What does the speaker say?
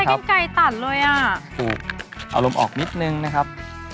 ทำดูง่ายคนเลยคุณครับ